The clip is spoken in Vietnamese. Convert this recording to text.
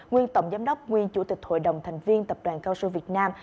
nguyên tổng giám đốc nguyên chủ tịch hội đồng thành viên tập đoàn cao su việt nam